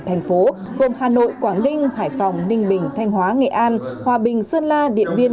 thành phố gồm hà nội quảng ninh hải phòng ninh bình thanh hóa nghệ an hòa bình sơn la điện biên